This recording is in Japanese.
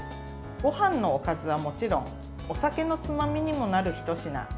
ごはんのおかずはもちろんお酒のつまみにもなるひと品。